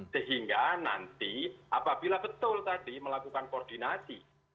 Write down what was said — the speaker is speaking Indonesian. sehingga nanti apabila betul tadi melakukan koordinasi